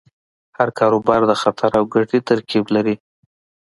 هر کاروبار د خطر او ګټې ترکیب لري.